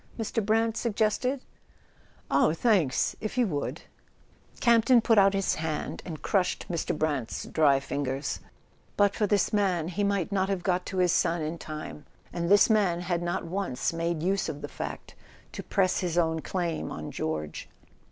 Mr. Brant suggested. "Oh, thanks—if you would." [ 282 ] A SON AT THE FRONT Campton put out his hand and crushed Mr. Brant's dry fingers. But for this man he might not have got to his son in time; and this man had not once made use of the fact to press his own claim on George.